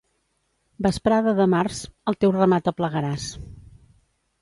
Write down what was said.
Vesprada de març, el teu ramat aplegaràs.